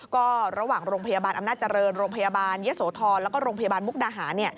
ก็ระหว่างโรงพยาบาลอำนาจเจริญโรงพยาบาลเยอะโสธรแล้วก็โรงพยาบาลมุกดาหาร